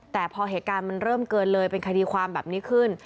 แต่พอเหตุการณ์มันเริ่มเกินเลยเป็นคดีความแบบนี้ขึ้น